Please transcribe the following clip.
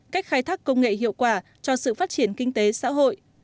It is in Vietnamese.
cách khai thác công nghệ hiệu quả cho sự phát triển kinh tế xã hội